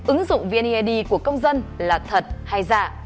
ứng dụng vnead của công dân là thật hay dạ